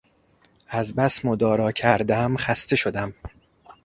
از بس مدارا کردم خسته شدم